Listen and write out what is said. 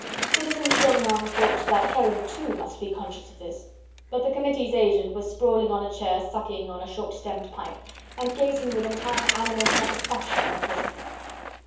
Citizen Chauvelin thought that Heron, too, must be conscious of this, but the Committee's agent was sprawling on a chair, sucking a short stemmed pipe, and gazing with entire animal satisfaction on the prisoner.